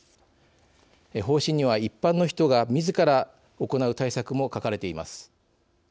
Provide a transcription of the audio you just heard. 方針には、一般の人がみずから行う対策も書かれています。